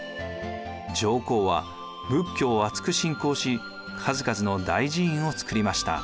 上皇は仏教をあつく信仰し数々の大寺院を造りました。